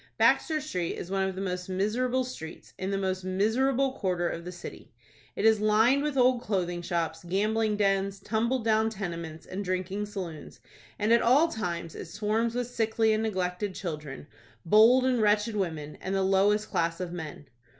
Baxter Street is one of the most miserable streets in the most miserable quarter of the city. It is lined with old clothing shops, gambling dens, tumble down tenements, and drinking saloons, and at all times it swarms with sickly and neglected children, bold and wretched women, and the lowest class of men.